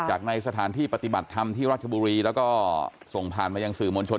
ในสถานที่ปฏิบัติธรรมที่ราชบุรีแล้วก็ส่งผ่านมายังสื่อมวลชน